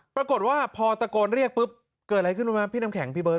ปรากฏว่าพอตะโกนเรียกปุ๊บเกิดอะไรขึ้นรู้ไหมพี่น้ำแข็งพี่เบิร์